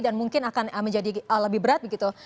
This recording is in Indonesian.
dan mungkin akan menjadi lebih berat begitu